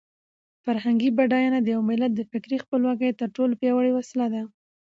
فرهنګي بډاینه د یو ملت د فکري خپلواکۍ تر ټولو پیاوړې وسله ده.